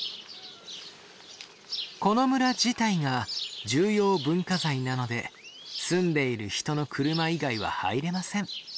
この村自体が重要文化財なので住んでいる人の車以外は入れません。